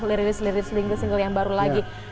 liris liris single yang baru lagi